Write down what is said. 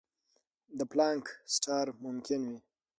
د پلانک سټار ممکن وي.